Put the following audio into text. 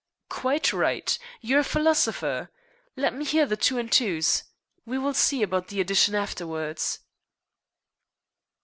"Quite right. You're a philosopher. Let me hear the two two's. We will see about the addition afterwards."